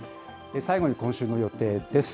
最後に今週の予定です。